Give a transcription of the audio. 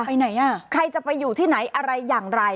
ไปไหนอ่ะใครจะไปอยู่ที่ไหนอะไรอย่างไร